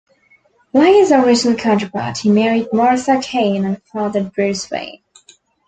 Like his original counterpart, he married Martha Kane and fathered Bruce Wayne.